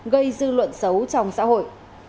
gây dư luận xấu trong xã hội